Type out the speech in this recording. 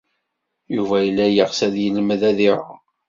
Yuba yella yeɣs ad yelmed ad iɛum.